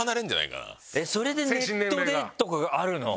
それでネットでとかがあるの？